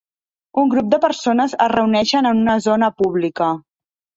Un grup de persones es reuneixen en una zona pública.